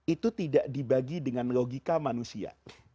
itu tidak dibagi dengan logika manusia